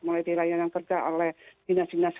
melalui layanan kerja oleh dinas dinas